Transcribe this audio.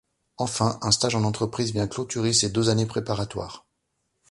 Enfin un stage en entreprise vient clôturer ces deux années préparatoires.